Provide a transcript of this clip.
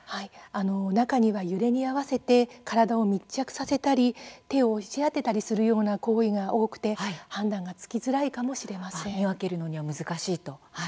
中には揺れに合わせて体を密着させたり手を押し当てたりするような行為が多くて見分けるのには難しいと。